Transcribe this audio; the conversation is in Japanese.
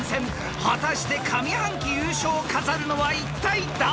［果たして上半期優勝を飾るのはいったい誰！？］